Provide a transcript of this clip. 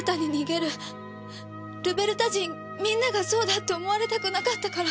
ルベルタ人みんながそうだって思われたくなかったから。